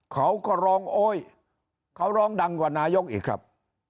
เขาก็ร้องโอ๊ยเขาร้องดังกว่านายกอีกครับ